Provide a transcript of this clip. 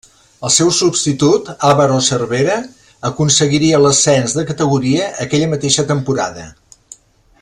El seu substitut, Álvaro Cervera, aconseguiria l'ascens de categoria aquella mateixa temporada.